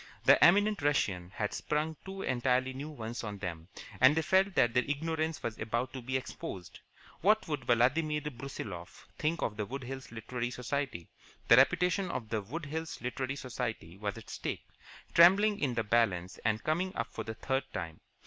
The eminent Russian had sprung two entirely new ones on them, and they felt that their ignorance was about to be exposed. What would Vladimir Brusiloff think of the Wood Hills Literary Society? The reputation of the Wood Hills Literary Society was at stake, trembling in the balance, and coming up for the third time.